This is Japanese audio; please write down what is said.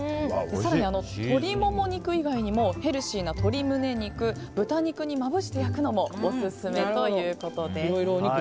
更に鶏モモ肉以外にもヘルシーな鶏胸肉、豚肉にまぶして焼くのもオススメということです。